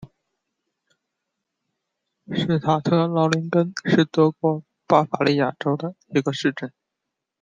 施塔特劳林根是德国巴伐利亚州的一个市镇。